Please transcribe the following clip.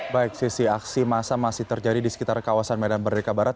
baik sisi aksi massa masih terjadi di sekitar kawasan medan merdeka barat